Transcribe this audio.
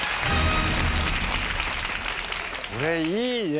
これいいね。